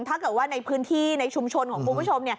ถ้าเกิดว่าในพื้นที่ในชุมชนของคุณผู้ชม